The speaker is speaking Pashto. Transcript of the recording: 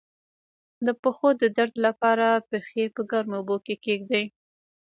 د پښو د درد لپاره پښې په ګرمو اوبو کې کیږدئ